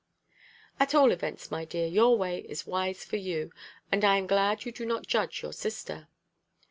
"At all events, my dear, your way is wise for you, and I am glad you do not judge your sister."